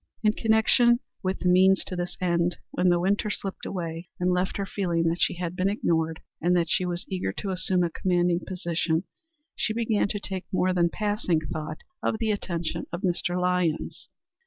In connection with the means to this end, when the winter slipped away and left her feeling that she had been ignored, and that she was eager to assume a commanding position, she began to take more than passing thought of the attentions of Mr. Lyons.